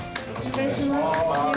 お願いします